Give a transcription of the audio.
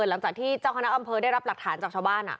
หลังจากที่เจ้าคณะอำเภอได้รับหลักฐานจากชาวบ้าน